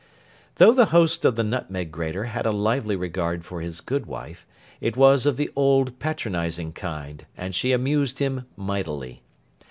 Though the host of the Nutmeg Grater had a lively regard for his good wife, it was of the old patronising kind, and she amused him mightily.